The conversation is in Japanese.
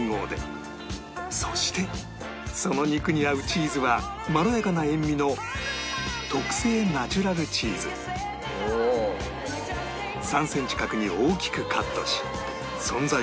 そしてその肉に合うチーズはまろやかな塩味の３センチ角に大きくカットし存在感たっぷりの一玉に